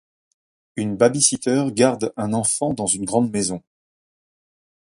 Une babysitter garde un enfant dans une grande maison.